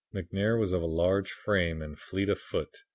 McNair was of large frame and fleet of foot.